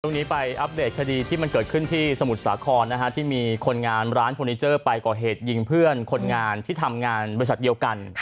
ตรงนี้ไปอัปเดตคดีที่มันเกิดขึ้นที่สมุทรสาครที่มีคนงานร้านเฟอร์นิเจอร์ไปก่อเหตุยิงเพื่อนคนงานที่ทำงานบริษัทเดียวกัน